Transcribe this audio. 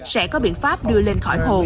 sẽ có biện pháp đưa lên khỏi hồ